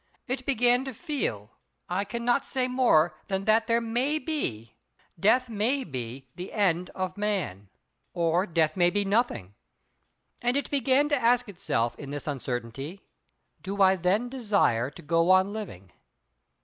It began to feel: I cannot say more than that there may be—Death may be the end of man, or Death may be nothing. And it began to ask itself in this uncertainty: Do I then desire to go on living?